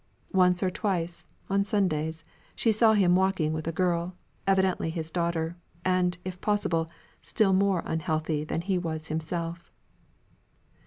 Once or twice, on Sundays, she saw him walking with a girl, evidently his daughter, and, if possible, still more unhealthy than he was himself.